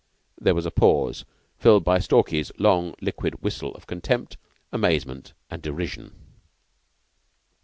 There was a pause, filled by Stalky's long, liquid whistle of contempt, amazement, and derision.